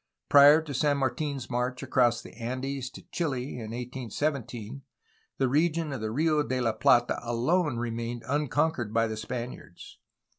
Prior to San Martin's march across the Andes to Chile in 1817, the region of the Rio de la Plata alone remained unconquered by the Spaniards.